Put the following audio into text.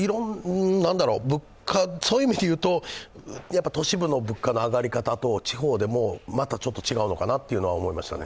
そういう意味で言うと都市部の物価の上がり方と地方で、また違うのかなと思いました。